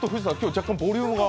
若干ボリュームが。